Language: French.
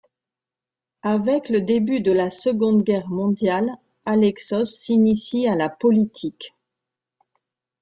Avec le début de la Seconde Guerre mondiale Alexos s'initie à la politique.